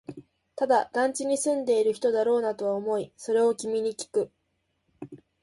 ただ、団地に住んでいる人だろうなとは思い、それを君にきく